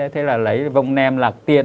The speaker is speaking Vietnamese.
thế là lấy vông nem lạc tiên